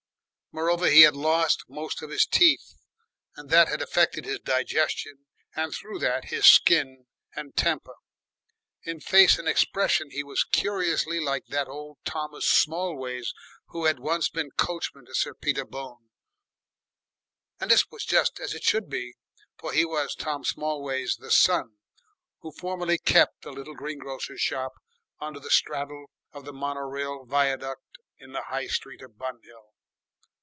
Moreover, he had lost most of his teeth and that had affected his digestion and through that his skin and temper. In face and expression he was curiously like that old Thomas Smallways who had once been coachman to Sir Peter Bone, and this was just as it should be, for he was Tom Smallways the son, who formerly kept the little green grocer's shop under the straddle of the mono rail viaduct in the High Street of Bun Hill.